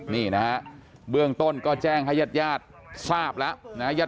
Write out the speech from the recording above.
นี่นะฮะเบื้องต้นก็แจ้งให้ญาติญาติทราบแล้วนะ